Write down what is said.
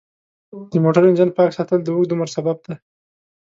د موټر انجن پاک ساتل د اوږده عمر سبب دی.